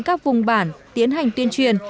các vùng bản tiến hành tuyên truyền